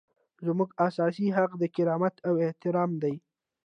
زموږ اساسي حق د کرامت او احترام دی.